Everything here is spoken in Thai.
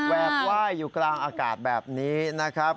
แวกไหว้อยู่กลางอากาศแบบนี้นะครับ